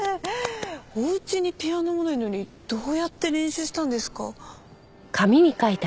おうちにピアノもないのにどうやって練習したんですか？